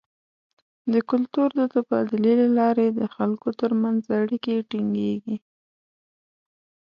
د کلتور د تبادلې له لارې د خلکو تر منځ اړیکې ټینګیږي.